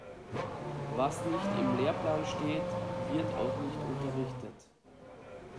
Was nicht im Lehrplan steht, wird auch nicht unterrichtet.